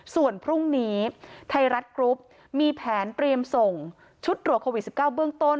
ส่วนพรุ่งนี้ไทยรัฐกรุ๊ปมีแผนเตรียมส่งชุดตรวจโควิด๑๙เบื้องต้น